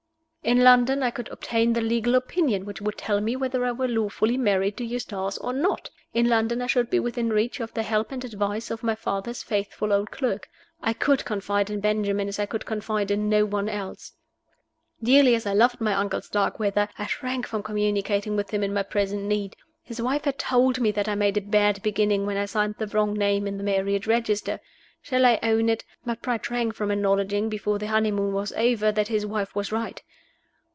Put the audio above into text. In London I could obtain the legal opinion which would tell me whether I were lawfully married to Eustace or not. In London I should be within reach of the help and advice of my father's faithful old clerk. I could confide in Benjamin as I could confide in no one else. Dearly as I loved my uncle Starkweather, I shrank from communicating with him in my present need. His wife had told me that I made a bad beginning when I signed the wrong name in the marriage register. Shall I own it? My pride shrank from acknowledging, before the honeymoon was over, that his wife was right.